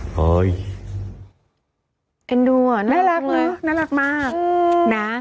เห็นดูเหรอน่ารักเลยน่ารักมากนะ